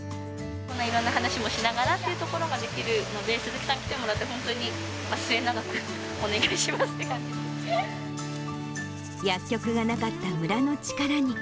いろんな話もしながらっていうところができるので、鈴木さん来てもらって、本当に末永くお願薬局がなかった村の力に。